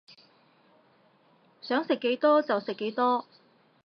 想食幾多就食幾多